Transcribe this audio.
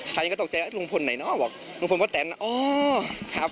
ใครก็ตกใจว่าลุงพลไหนเนาะบอกลุงพลป้าแตนอ๋อครับ